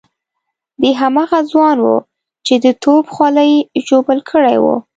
دی هماغه ځوان وو چې د توپ خولۍ ژوبل کړی وو.